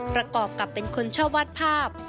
ประกอบกับเป็นคนชอบวาดภาพ